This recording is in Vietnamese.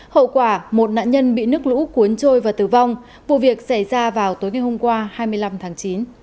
hậu quả một nạn nhân bị nước lũ cuốn trôi và tử vong vụ việc xảy ra vào tối ngày hôm qua hai mươi năm tháng chín